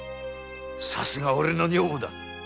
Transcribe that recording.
さすが俺の女房だ。